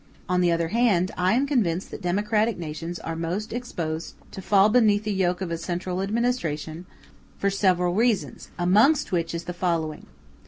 On the other hand, I am convinced that democratic nations are most exposed to fall beneath the yoke of a central administration, for several reasons, amongst which is the following.